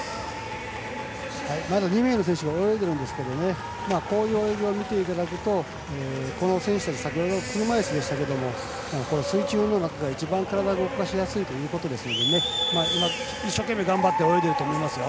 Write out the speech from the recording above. まだ２名の選手が泳いでるんですがこういう泳ぎを見ていただくとこの選手たち、車いすでしたが水中が一番体を動かしやすいということですので今、一生懸命頑張って泳いでます。